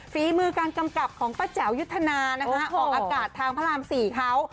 ฟีมือการกำกับของประแจวยุฒนาออกอากาศทางพระรามสี่เขา